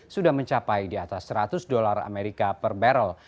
sudah mencapai di atas rp seratus per barrel